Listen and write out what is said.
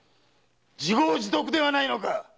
自業自得ではないのか！